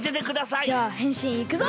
じゃあへんしんいくぞ！